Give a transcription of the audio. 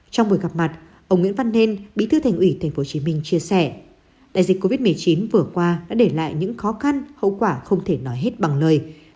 trong buổi gặp mặt ông nguyễn văn nên bí thư thành ủy tp hcm chia sẻ đại dịch covid một mươi chín vừa qua đã để lại những khó khăn hậu quả không thể nói hết bằng lời